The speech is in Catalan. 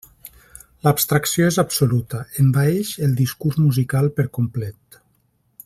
L'abstracció és absoluta: envaeix el discurs musical per complet.